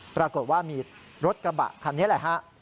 ปรากฏว่ามีรถกระบะคันนี้แหละฮะ